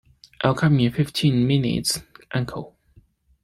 I'll come in fifteen minutes, uncle.